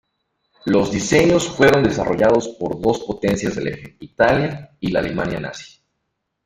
Los diseños fueron desarrollados por dos potencias del Eje, Italia y la Alemania Nazi.